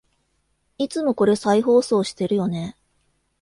いつもこれ再放送してるよね